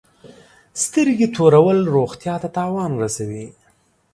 سترګي تورول روغتیا ته تاوان رسوي.